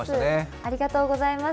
ありがとうございます。